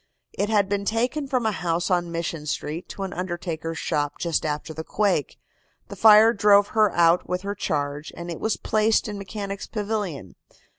It had been taken from a house on Mission Street to an undertaker's shop just after the quake. The fire drove her out with her charge, and it was placed in Mechanics' Pavilion.